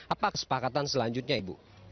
apa kesepakatan selanjutnya ibu